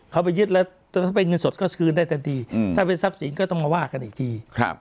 เขาไปยึดแล้วถ้าเป็นเงินสดก็คืนได้ทันทีถ้าเป็นทรัพย์สินก็ต้องมาว่ากันอีกที